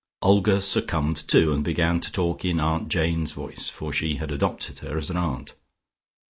Olga succumbed too, and began to talk in Aunt Jane's voice, for she had adopted her as an aunt.